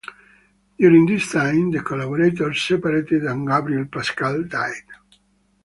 During this time, the collaborators separated and Gabriel Pascal died.